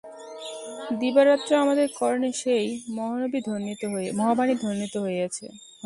দিবারাত্র আমাদের কর্ণে সেই মহাবাণী ধ্বনিত হইতেছে।